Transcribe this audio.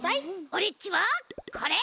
オレっちはこれ！